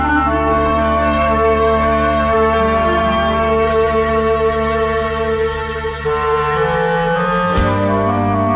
ช่ากลับไปขอตอบแม่